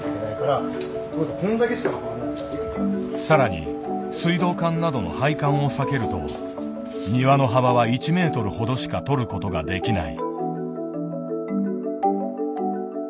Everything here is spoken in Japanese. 更に水道管などの配管を避けると庭の幅は１ｍほどしか取ることができない。